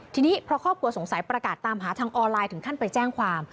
ทีนี้พอครอบครัวสงสัยประกาศตามหาทางออนไลน์ถึงขั้นไปแจ้งความ